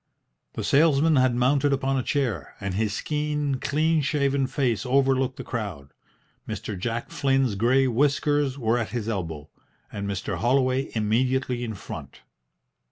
The salesman had mounted upon a chair, and his keen, clean shaven face overlooked the crowd. Mr. Jack Flynn's grey whiskers were at his elbow, and Mr. Holloway immediately in front.